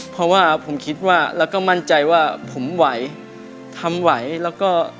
เพราะว่าผมคิดว่าแล้วก็มั่นใจว่าผมไหวทำไหวแล้วก็